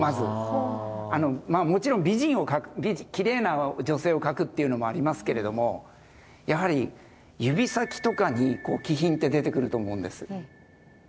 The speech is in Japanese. もちろん美人を描くきれいな女性を描くっていうのもありますけれどもやはり指先とかに気品って出てくると思うんです。